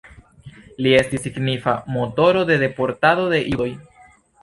Li estis signifa motoro de deportado de judoj.